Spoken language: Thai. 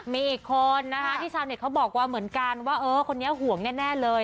มีอีกคนนะคะที่ชาวเน็ตเขาบอกว่าเหมือนกันว่าเออคนนี้ห่วงแน่เลย